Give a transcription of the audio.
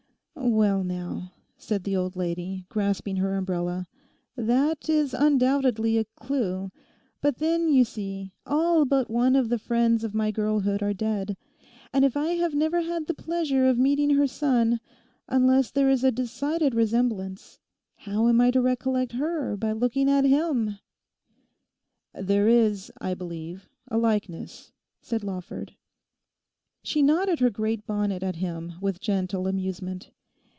'Well, now,' said the old lady, grasping her umbrella, 'that is undoubtedly a clue; but then, you see, all but one of the friends of my girlhood are dead; and if I have never had the pleasure of meeting her son, unless there is a decided resemblance, how am I to recollect her by looking at him?' 'There is, I believe, a likeness,' said Lawford. She nodded her great bonnet at him with gentle amusement.